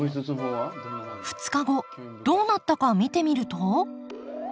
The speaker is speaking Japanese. ２日後どうなったか見てみると。